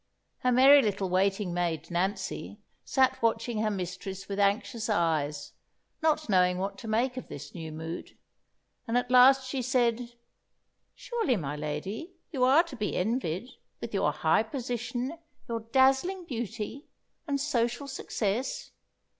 Her merry little waiting maid, Nancy, sat watching her mistress with anxious eyes, not knowing what to make of this new mood; and at last she said: "Surely, my lady, you are to be envied, with your high position, your dazzling beauty and social success!